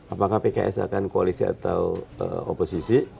apakah pks akan koalisi atau oposisi